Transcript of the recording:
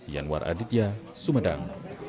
yanwar aditya sumedang